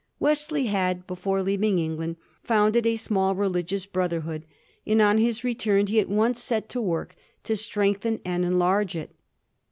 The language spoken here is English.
Wesley had, before leaving England, founded a small religious brotherhood, and on his return he at once set to work to strengthen and en large it.